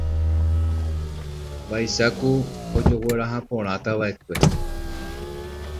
Vaicháku ojoguerahaporãtavaʼekue.